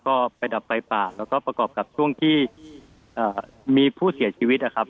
ก็ไปดับไฟป่าแล้วก็ประกอบกับช่วงที่มีผู้เสียชีวิตนะครับ